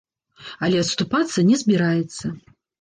Але адступацца не збіраецца.